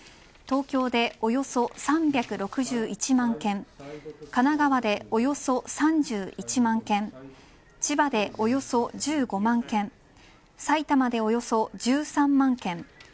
東京でおよそ３６１万軒神奈川でおよそ３１万軒千葉でおよそ１５万軒埼玉でおよそ１３万軒